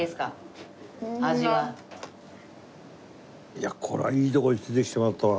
いやこれはいい所に連れてきてもらったな。